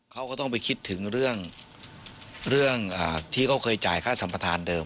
เขาก็ต้องไปคิดถึงเรื่องที่เขาเคยจ่ายค่าสัมประธานเดิม